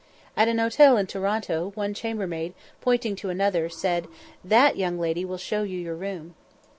At an hotel at Toronto, one chambermaid, pointing to another, said, "That young lady will show you your room."